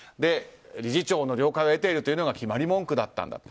理事長の了解を得ているというのが決まり文句だったんだと。